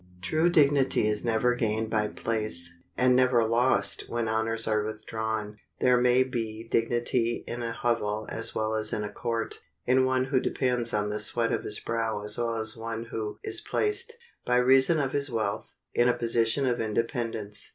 True dignity is never gained by place, and never lost when honors are withdrawn. There may be dignity in a hovel as well as in a court; in one who depends on the sweat of his brow as well as one who is placed, by reason of his wealth, in a position of independence.